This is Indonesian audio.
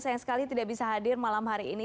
sayang sekali tidak bisa hadir malam hari ini